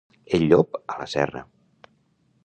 El llop, a la serra.